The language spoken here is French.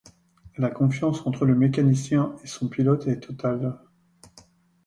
La confiance entre le mécanicien et son pilote est totale.